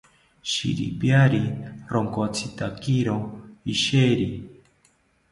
Shiripiari ronkotzitakiro isheri